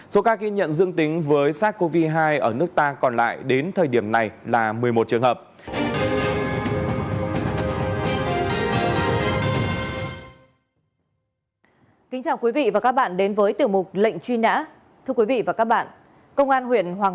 số ca ghi nhận dương tính với sars cov hai ở nước ta còn lại đến thời điểm này là một mươi một trường hợp